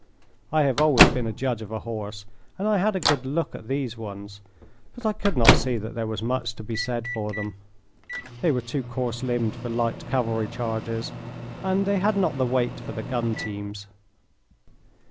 I have always been a judge of a horse, and I had a good look at these ones, but I could not see that there was much to be said for them. They were too coarse limbed for light cavalry charges and they had not the weight for the gun teams.